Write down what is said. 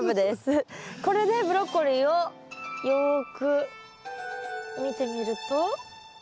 これでブロッコリーをよく見てみると？